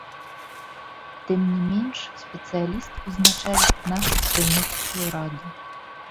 Тым не менш спецыяліст узначаліць нашу трэнерскую раду.